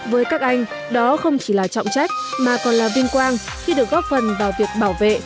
với các anh đó không chỉ là trọng trách mà còn là vinh quang khi được góp phần vào việc bảo vệ